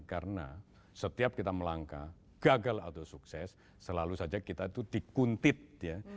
karena setiap kita melangkah gagal atau sukses selalu saja kita itu dikuntit ya